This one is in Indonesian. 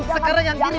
sekarang yang kiri